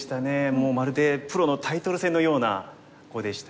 もうまるでプロのタイトル戦のような碁でしたね。